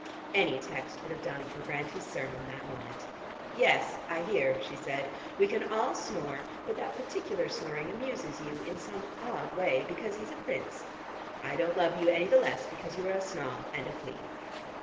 Any text would have done for Grantie's sermon that moment. "Yes, I hear," she said. "We can all snore, but that particular snoring amuses you, in some odd way, because he's a prince. I don't love you any the less because you are a snob and a flea."